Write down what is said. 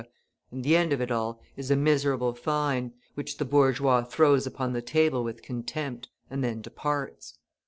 and the end of it all is a miserable fine, which the bourgeois throws upon the table with contempt and then departs.